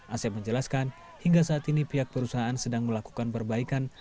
asep menjelaskan hingga saat ini pihak perusahaan sedang melakukan perbaikan